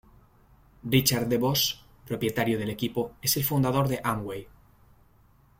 Richard DeVos, propietario del equipo, es el fundador de Amway.